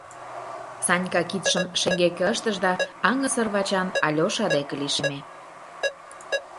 — Санька кидшым шеҥгеке ыштыш да аҥысыр вачан Алеша деке лишеме.